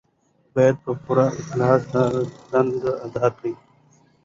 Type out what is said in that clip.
باید په پوره اخلاص دا دنده ادا کړو.